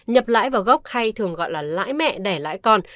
nhập lãi vào gốc hay thường gọi là lãi mẹ đẻ lãi con